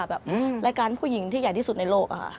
แบบรายการผู้หญิงที่ใหญ่ที่สุดในโลก